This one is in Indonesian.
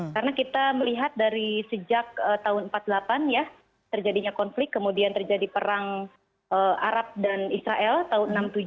karena kita melihat dari sejak tahun seribu sembilan ratus empat puluh delapan ya terjadinya konflik kemudian terjadi perang arab dan israel tahun seribu sembilan ratus enam puluh tujuh